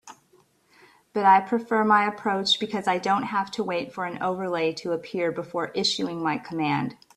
But I prefer my approach because I don't have to wait for an overlay to appear before issuing my command.